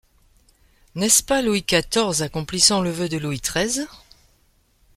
N’est-ce pas Louis xiv accomplissant le vœu de Louis xiii ?